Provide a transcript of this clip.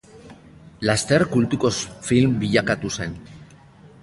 Laster kultuzko film bilakatu zen.